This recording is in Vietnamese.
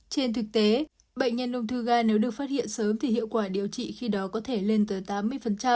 trên thực tế bệnh nhân ung thư ga nếu được phát hiện sớm thì hiệu quả điều trị khi đó có thể lên tới tám mươi